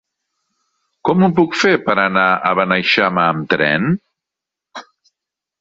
Com ho puc fer per anar a Beneixama amb tren?